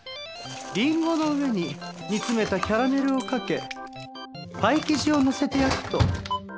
リンゴの上に煮詰めたカラメルをかけパイ生地をのせて焼くと。